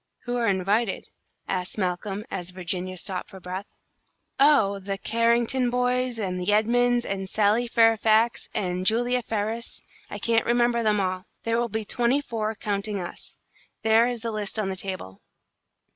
"Who are invited?" asked Malcolm, as Virginia stopped for breath. "Oh, the Carrington boys, and the Edmunds, and Sally Fairfax, and Julia Ferris, I can't remember them all. There will be twenty four, counting us. There is the list on the table."